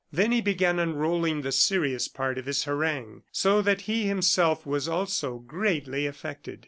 Then he began unrolling the serious part of his harangue, so that he himself, was also greatly affected.